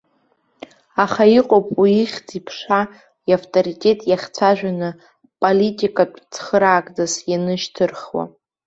Аха иҟоуп уи ихьӡ-иԥша, иавторитет иаахжәацәаны политикатә цхыраагӡас ианышьҭырхуа.